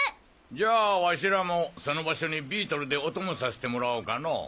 じゃあわしらもその場所にビートルでお供させてもらおうかのぉ。